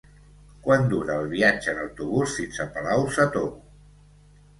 Quant dura el viatge en autobús fins a Palau-sator?